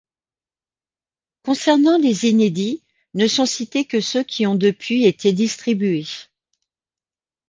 Concernant les inédits, ne sont cités que ceux qui ont depuis été distribués.